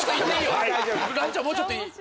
もうちょっといい？